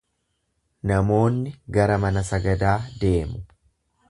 Namoonni gara mana sagadaa deemu.